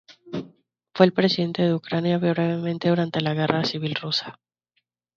Fue el Presidente de Ucrania brevemente durante la Guerra Civil Rusa.